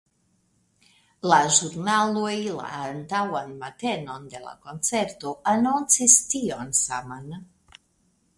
La ĵurnaloj la antaŭan matenon de la koncerto anoncis tion saman.